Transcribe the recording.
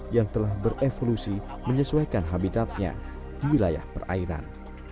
yang telah berevolusi menyesuaikan habitatnya di wilayah perairan